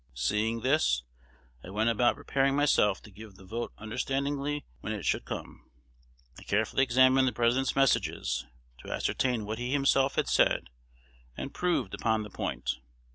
Seeing this, I went about preparing myself to give the vote understandingly when it should come. I carefully examined the President's Messages, to ascertain what he himself had said and proved upon the point.